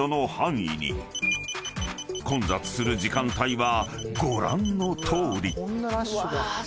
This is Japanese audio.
［混雑する時間帯はご覧のとおり］